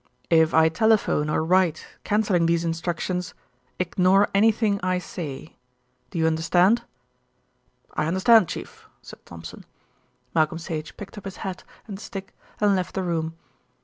"If I telephone or write cancelling these instructions, ignore anything I say. Do you understand?" "I understand, Chief," said Thompson. Malcolm Sage picked up his hat and stick and left the room.